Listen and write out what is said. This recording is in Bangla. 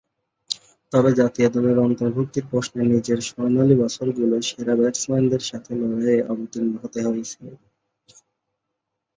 তবে জাতীয় দলে অন্তর্ভূক্তির প্রশ্নে নিজের স্বর্ণালী বছরগুলোয় সেরা ব্যাটসম্যানদের সঙ্গে লড়াইয়ে অবতীর্ণ হতে হয়েছিল।